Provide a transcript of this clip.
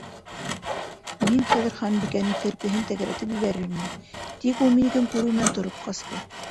Мин хәҙер Ханбикәнең терпеһен тәгәрәтеп ебәрер инем, тик ул минекен күреү менән тороп ҡасты!